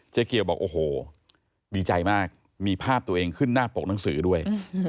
เกี่ยวบอกโอ้โหดีใจมากมีภาพตัวเองขึ้นหน้าปกหนังสือด้วย